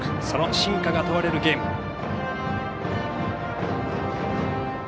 その真価が問われるゲーム。